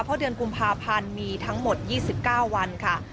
เพราะเดือนกุมภาพันธ์มีทั้งหมด๒๙วันค่ะ